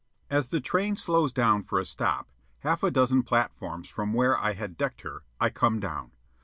As the train slows down for a stop, half a dozen platforms from where I had decked her I come down.